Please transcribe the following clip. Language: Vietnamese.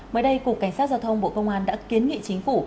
mới đây cục cảnh sát giao thông bộ công an đã kiến nghị chính phủ